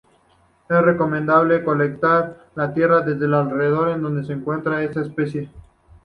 Es recomendable colectar tierra desde los alrededores en donde se encuentre a esta especie.